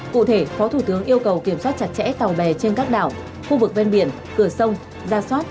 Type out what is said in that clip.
cụ thể phó thủ tướng yêu cầu kiểm soát chặt chẽ tàu bè trên các đảo khu vực ven biển cửa sông gia soát